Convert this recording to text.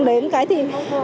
đến cái thì